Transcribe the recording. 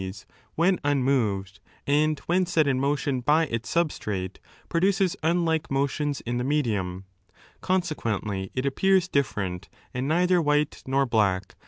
162 AB13T0TLES PSYCHOLOGY when unmoved, and when set in motion hy its substrate, produces unlike motions in the medium. Consequently, it appears different, and neither white nor black.